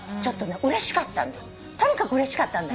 とにかくうれしかったんだ。